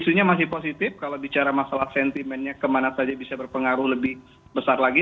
isunya masih positif kalau bicara masalah sentimennya kemana saja bisa berpengaruh lebih besar lagi